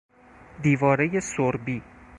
دیوارهی سربی